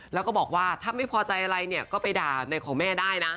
แล้วก็บอกว่าถ้าไม่พอใจอะไรเนี่ยก็ไปด่าในของแม่ได้นะ